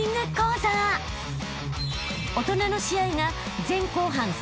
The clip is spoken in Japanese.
［大人の試合が］